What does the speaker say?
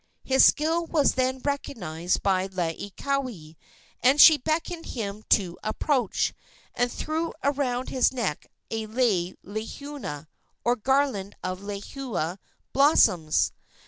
His skill was then recognized by Laieikawai, and she beckoned him to approach, and threw around his neck a lei lehua, or garland of lehua blossoms.